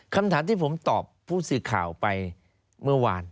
คำถามที่ผมตอบผู้สื่อข่าวไปเมื่อวาน